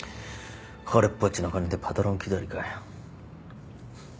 これっぽっちの金でパトロン気取りかよ。